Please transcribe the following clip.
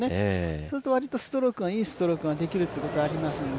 そうすると割といいストロークができるということがあるので。